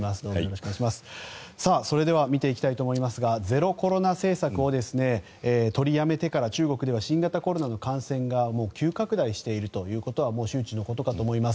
では見ていきたいと思いますがゼロコロナ政策を取りやめてから中国では新型コロナの感染が急拡大しているということは周知のことかと思います。